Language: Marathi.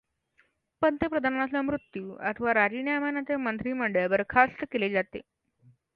पंतप्रधानाचा मृत्यू अथवा राजीनाम्यानंतर मंत्रीमंडळ बरखास्त केले जाते.